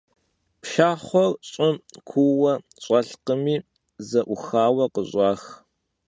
Pşşaxhuer ş'ım kuuue ş'elhkhımi ze'uxaue khış'ax.